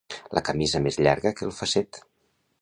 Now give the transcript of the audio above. La camisa més llarga que el fasset.